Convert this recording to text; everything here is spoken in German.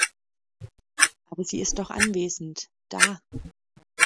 Aber sie ist doch anwesend, da.